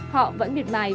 họ vẫn miệt mài